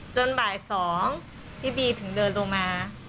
บ่าย๒พี่บีถึงเดินลงมา